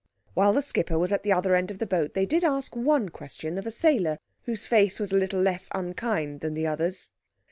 While the skipper was at the other end of the boat they did ask one question of a sailor, whose face was a little less unkind than the others.